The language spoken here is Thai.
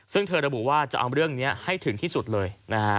ซึ่งเธอระบุว่าจะเอาเรื่องนี้ให้ถึงที่สุดเลยนะฮะ